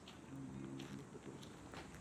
আমারও হাত মেলাও।